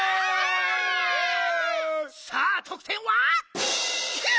さあとくてんは？